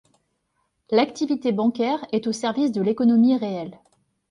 L’activité bancaire est au service de l’économie réelle.